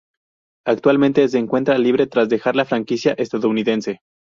Actualmente se encuentra libre tras dejar la franquicia estadounidense.